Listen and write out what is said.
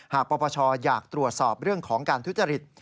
ปปชอยากตรวจสอบเรื่องของการทุจริต